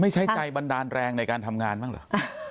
ใช้ใจบันดาลแรงในการทำงานบ้างเหรอ